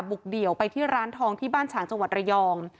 เดี่ยวไปที่ร้านทองที่บ้านฉางจังหวัดระยอง